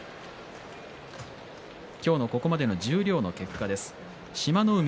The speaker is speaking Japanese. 今日のここまでの十両の結果です。